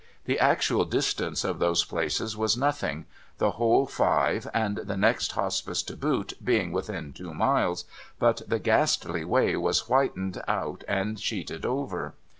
The actual distance of those places was nothing ; the whole five, and the next Hospice to boot, being within two miles ; but the ghastly way was whitened out and sheeted over.